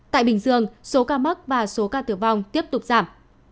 tại bình dương số ca mắc và số ca tử vong tiếp tục giảm